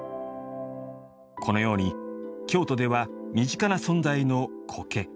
このように京都では身近な存在の苔。